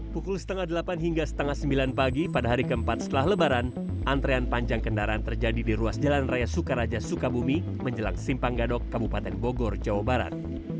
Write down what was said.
pukul setengah delapan hingga setengah sembilan pagi pada hari keempat setelah lebaran antrean panjang kendaraan terjadi di ruas jalan raya sukaraja sukabumi menjelang simpang gadok kabupaten bogor jawa barat